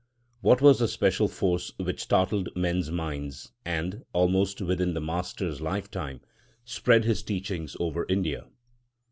What was the special force which startled men's minds and, almost within the master's lifetime, spread his teachings over India?